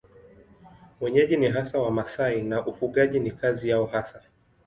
Wenyeji ni hasa Wamasai na ufugaji ni kazi yao hasa.